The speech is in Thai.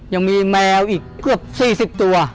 ยังมีแมวอีกเกือบ๔๐ตัว